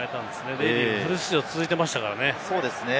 デイリーはフル出場が続いていましたからね。